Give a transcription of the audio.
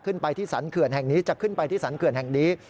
ขึ้นไปที่สรรเขื่อนแห่งนี้จะขึ้นไปที่สรรเขื่อนแห่งนี้